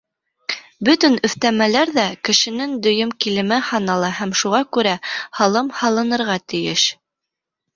Бөтөн өҫтәмәләр ҙә кешенең дөйөм килеме һанала һәм шуға күрә лә һалым һалынырға тейеш.